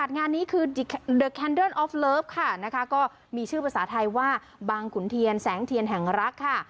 ในฐาวะไทยว่าบางขุนเทียนแสงเทียนแห่งรักค่ะ